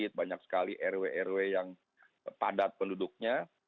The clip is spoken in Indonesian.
jadi kita tidak sekali rw rw yang padat penduduknya